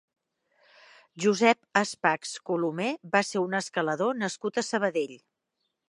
Josep Aspachs Colomé va ser un escalador nascut a Sabadell.